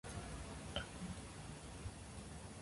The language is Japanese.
チョコ